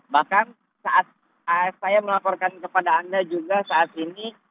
bahkan saat saya melaporkan kepada anda juga saat ini